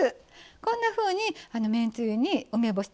こんなふうにめんつゆに梅干しとか